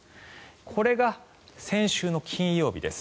これが先週金曜日です。